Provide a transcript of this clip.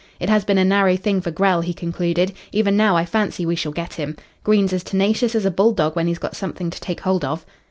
"It has been a narrow thing for Grell," he concluded. "Even now, I fancy we shall get him. Green's as tenacious as a bull dog when he's got something to take hold of."